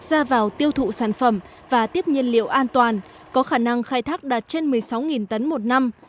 ra vào tiêu thụ sản phẩm và tiếp nhiên liệu an toàn có khả năng khai thác đạt trên một mươi sáu tấn một năm